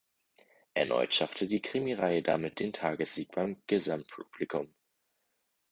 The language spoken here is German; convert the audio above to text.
Erneut schaffte die Krimireihe damit den Tagessieg beim Gesamtpublikum.